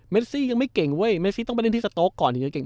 ซี่ยังไม่เก่งเว้ยเมซี่ต้องไปเล่นที่สโต๊กก่อนถึงจะเก่ง